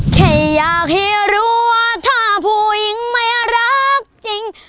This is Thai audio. แค่อยากให้รู้ว่าถ้าผู้หญิงไม่รักจริง